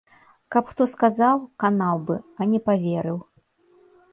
Каб хто сказаў, канаў бы, а не паверыў.